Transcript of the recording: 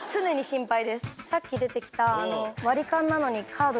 さっき出てきた。